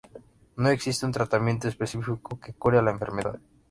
No existe un tratamiento específico que cure la enfermedad.